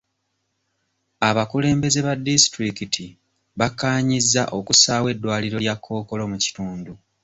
Abakulembeze ba disitulikiti bakkaanyizza okusaawo eddwaliro lya Kkookolo mu kitundu.